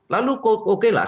lalu oke lah